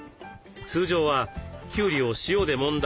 通常はきゅうりを塩でもんだ